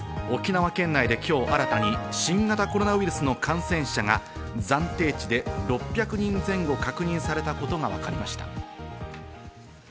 沖縄県内で今日新たに新型コロナウイルスの感染者が暫定値で６００人前後確認されたことがわかりました。